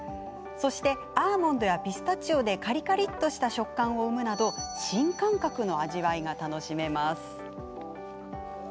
そしてアーモンドやピスタチオでカリカリっとした食感を生むなど新感覚の味わいが楽しめます。